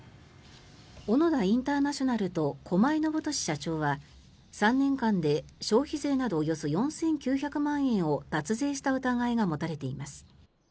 オノダインターナショナルと駒井伸俊社長は３年間で消費税などおよそ４９００万円を脱税した疑いが持たれています。